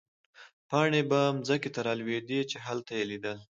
پاڼې به مځکې ته رالوېدې، چې هلته يې لیدل.